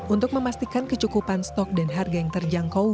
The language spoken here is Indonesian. untuk memastikan kecukupan stok dan harga yang terjangkau